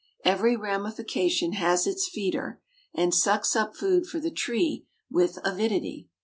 Every ramification has its feeder, and sucks up food for the tree with avidity.